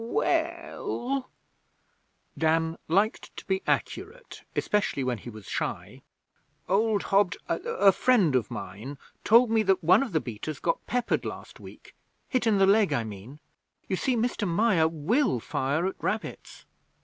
'We ell' Dan liked to be accurate, especially when he was shy 'old Hobd a friend of mine told me that one of the beaters got peppered last week hit in the leg, I mean. You see, Mr Meyer will fire at rabbits.